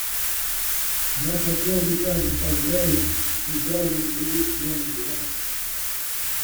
Я хотел бы также поздравить с избранием других членов Бюро.